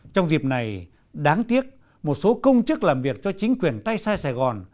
trong dịp này đáng tiếc một số công chức làm việc cho chính quyền tay sai sài gòn